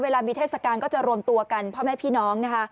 เวลามีเทศกาลก็จะรวมตัวกันพ่อแม่พี่น้องนะคะ